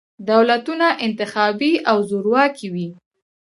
دولتونه انتخابي او زورواکي وي.